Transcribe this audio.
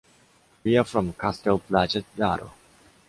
We are from Castell-Platja d’Aro.